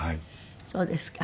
そうですか。